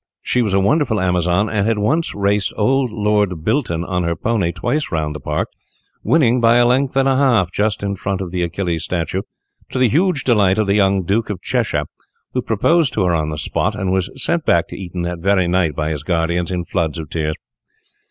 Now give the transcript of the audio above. She was a wonderful Amazon, and had once raced old Lord Bilton on her pony twice round the park, winning by a length and a half, just in front of the Achilles statue, to the huge delight of the young Duke of Cheshire, who proposed for her on the spot, and was sent back to Eton that very night by his guardians, in floods of tears.